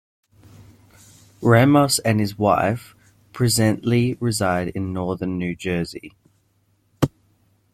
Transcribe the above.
Ramos and his wife presently reside in northern New Jersey.